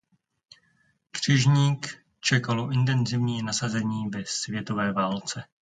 Křižníky čekalo intenzivní nasazení ve světové válce.